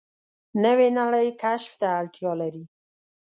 نوې نړۍ کشف ته اړتیا لري